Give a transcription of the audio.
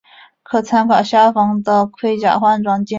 可参考下方的盔甲换装简介。